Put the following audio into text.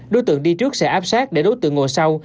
đối tượng đi trước sẽ áp sát để đối tượng ngồi sau